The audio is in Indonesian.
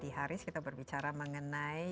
dan pak faris kita berbicara mengenai